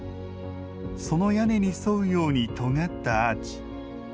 その屋根に沿うようにとがったアーチ。